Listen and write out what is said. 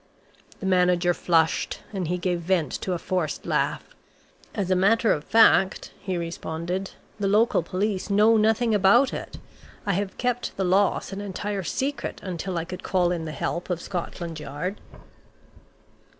The manager flushed, and he gave vent to a forced laugh. "As a matter of fact," he responded, "the local police know nothing about it. I have kept the loss an entire secret until I could call in the help of Scotland Yard."